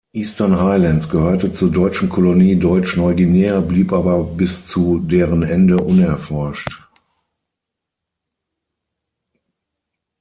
Eastern Highlands gehörte zur deutschen Kolonie Deutsch-Neuguinea, blieb aber bis zu deren Ende unerforscht.